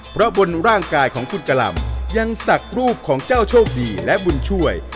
เพราะบนร่างกายของคุณกะหล่ำยังศักดิ์รูปของเจ้าโชคดีและบุญช่วย